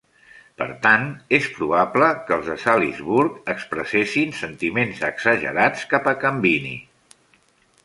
Per tant, és probable que els de Salisburg expressessin sentiments exagerats cap a Cambini.